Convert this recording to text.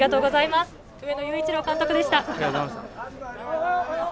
上野裕一郎監督でした。